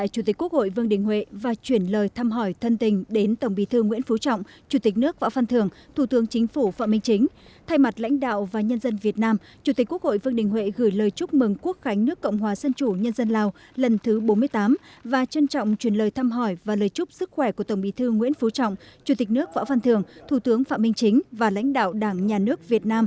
chủ tịch quốc hội vương đình huệ đã có cuộc hội kiến với tổng bí thư ban chấp hành trung ương đảng nhân dân dân chủ nhân dân lào thong lun si sulit